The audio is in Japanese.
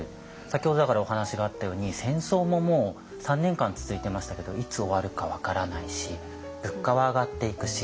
先ほどだからお話があったように戦争ももう３年間続いてましたけどいつ終わるか分からないし物価は上がっていくし。